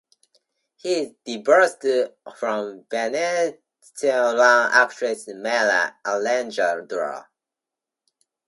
He is divorced from Venezuelan actress Mayra Alejandra.